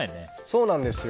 そうなんです。